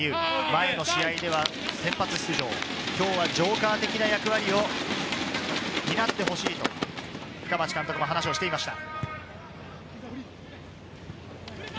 前の試合では先発出場、今日はジョーカー的な役割を担ってほしいと、深町監督も話をしていました。